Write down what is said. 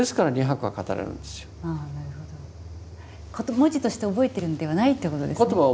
文字として覚えてるんではないということですね。